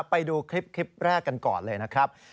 ไปดูคลิปแรกกันก่อนเลยนะครับ